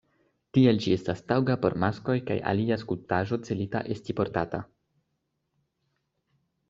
Tiel ĝi estas taŭga por maskoj kaj alia skulptaĵo celita esti portata.